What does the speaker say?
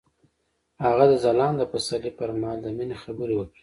هغه د ځلانده پسرلی پر مهال د مینې خبرې وکړې.